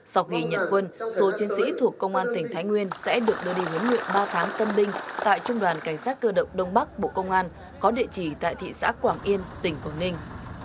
sau khi nhận quân số chiến sĩ thuộc công an tỉnh thái nguyên sẽ được đưa đi huấn luyện ba tháng tân binh tại trung đoàn cảnh sát cơ động đông bắc bộ công an có địa chỉ tại thị xã quảng yên tỉnh quảng ninh